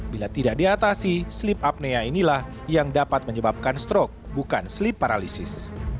bila tidak diatasi sleep apnea inilah yang dapat menyebabkan strok bukan sleep paralisis